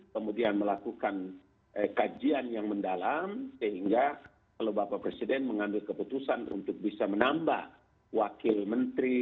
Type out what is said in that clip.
kemudian melakukan kajian yang mendalam sehingga kalau bapak presiden mengambil keputusan untuk bisa menambah wakil menteri